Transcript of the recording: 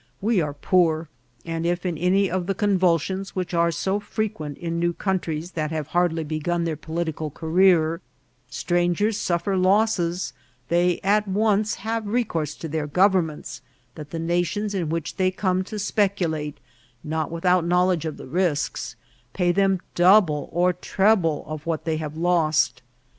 We are poor, and if, in any of the con vulsions which are so frequent in new countries that have hardly begun their political career, strangers suf er losses, they at once have recourse to their govern ments, that the nations in which they come to speculate, not without knowledge of the risks, pay them double or treble of what tKey have lost.